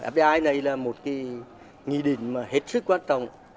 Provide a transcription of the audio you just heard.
bi này là một nghị định hết sức quan trọng